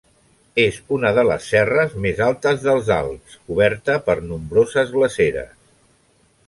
És una de les serres més altes dels Alps, coberta per nombroses glaceres.